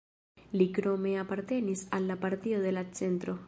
Li krome apartenis al la Partio de la Centro.